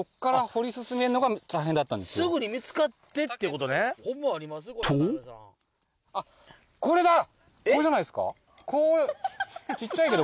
すぐに見つかってってことねとこれじゃないですか？